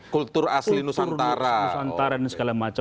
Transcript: kultur asli nusantara